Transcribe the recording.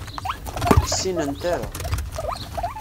Ur tt-ssinent ara.